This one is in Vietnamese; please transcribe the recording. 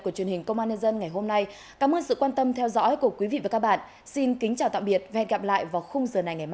cảm ơn sự quan tâm theo dõi của quý vị và các bạn xin kính chào tạm biệt và hẹn gặp lại vào khung giờ này ngày mai